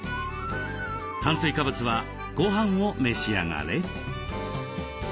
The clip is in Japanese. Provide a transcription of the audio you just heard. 炭水化物はごはんを召し上がれ。